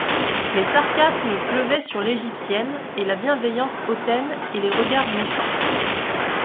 Les sarcasmes pleuvaient sur l’égyptienne, et la bienveillance hautaine, et les regards méchants.